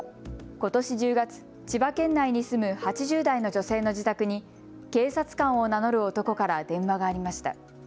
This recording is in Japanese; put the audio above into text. ことし１０月、千葉県内に住む８０代の女性の自宅に警察官を名乗る男から電話がありました。